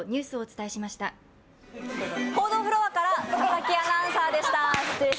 報道フロアから佐々木アナウンサーでした。